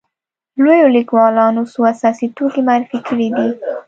لویو لیکوالو څو اساسي توکي معرفي کړي دي.